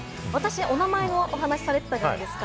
お名前のお話されていたじゃないですか。